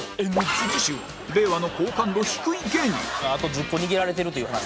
次週はあと１０個握られてるという。